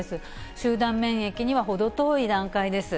集団免疫には程遠い段階です。